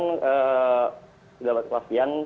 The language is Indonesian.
sudah mendapat kepastian